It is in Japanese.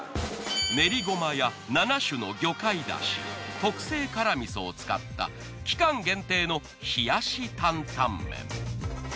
練りごまや７種の魚介だし特製辛味噌を使った期間限定の冷やし担々麺。